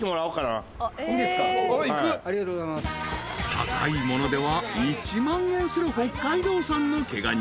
［高いものでは１万円する北海道産の毛ガニ］